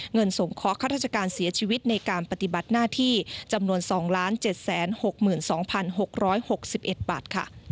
ส่งเคาะข้าราชการเสียชีวิตในการปฏิบัติหน้าที่จำนวน๒๗๖๒๖๖๑บาทค่ะ